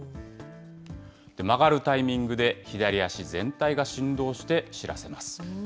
曲がるタイミングで左足全体が振動して知らせます。